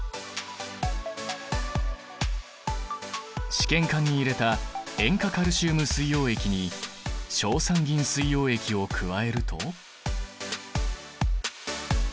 試験管に入れた塩化カルシウム水溶液に硝酸銀水溶液を加えると。